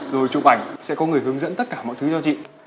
rồi trụ bảnh sẽ có người hướng dẫn tất cả mọi thứ cho chị